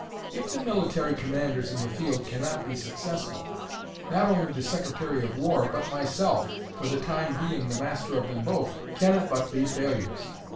If the military commanders in the field cannot be successful, not only the Secretary of War but myself, for the time being the master of them both, cannot but be failures.